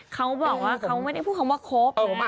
เขาบอกว่าเขาไม่ได้พูดคำว่าครบ